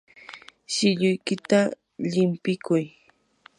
shilluykita llimpikuy.